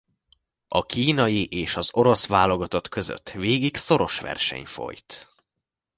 A kínai és az orosz válogatott között végig szoros verseny folyt.